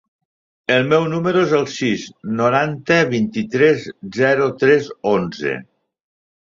El meu número es el sis, noranta, vint-i-tres, zero, tres, onze.